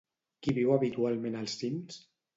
Qui viu habitualment als cims?